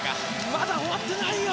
まだ終わってないよ！